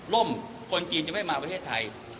คนจีนจะไม่มาประเทศไทย